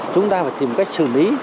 chúng ta phải tìm cách xử lý